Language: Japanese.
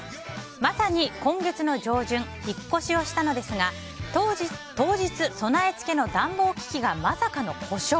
まさに今月の上旬引っ越しをしたのですが当日、備え付けの暖房器気がまさかの故障。